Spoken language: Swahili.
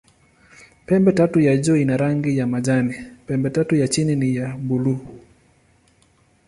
Pembetatu ya juu ina rangi ya majani, pembetatu ya chini ni ya buluu.